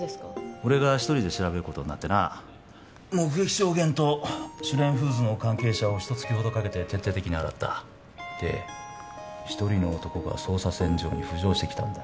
俺が一人で調べることになってな目撃証言と朱蓮フーズの関係者をひと月ほどかけて徹底的に洗ったで一人の男が捜査線上に浮上してきたんだ